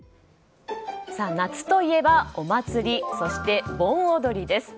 夏といえば、お祭りそして、盆踊りです。